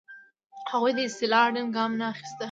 هغوی د اصلاح اړین ګام نه اخیسته.